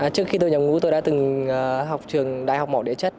trước khi tôi nhập ngũ tôi đã từng học trường đại học mỏ địa chất